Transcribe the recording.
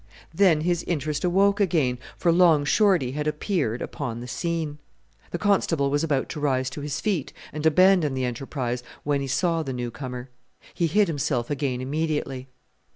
Then his interest awoke again, for Long Shorty had appeared upon the scene. The constable was about to rise to his feet and abandon the enterprise when he saw the new comer. He hid himself again immediately.